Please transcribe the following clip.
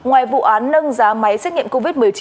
ngoài vụ án nâng giá máy xét nghiệm covid một mươi chín